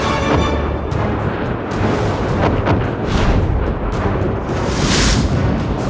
kau harus berhenti